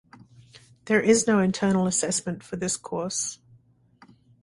There is no internal assessment for this course.